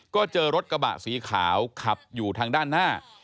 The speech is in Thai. ก็เจอรถกระบะสีขาวขับอยู่ทางด้านหน้า